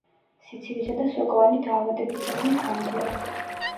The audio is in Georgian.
სიცივისა და სოკოვანი დაავადებისადმი გამძლეა.